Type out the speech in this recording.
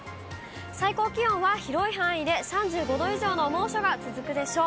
最高気温は広い範囲で３５度以上の猛暑が続くでしょう。